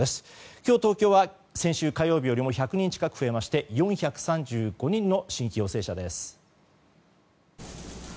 今日、東京は先週火曜日よりも１００人近く増えまして４３５人の新規陽性者です。